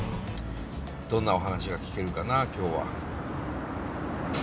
どんなお話が聞けるかな今日は。